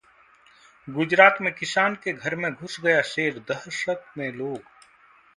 गुजरात में किसान के घर में घुस गया शेर, दहशत में लोग